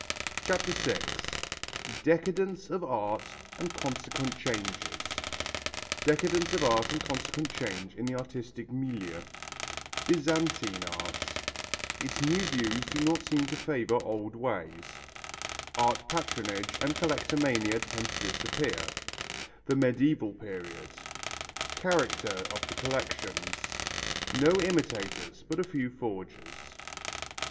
CHAPTER VI DECADENCE OF ART AND CONSEQUENT CHANGES Decadence of art and consequent change in the artistic milieu Byzantine art Its new views do not seem to favour old ways Art patronage and collectomania tend to disappear The medieval period Character of the collections No imitators but a few forgers.